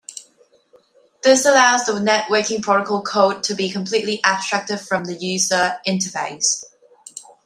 This allows the networking protocol code to be completely abstracted from the user interface.